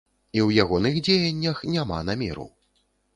І ў ягоных дзеяннях няма намеру.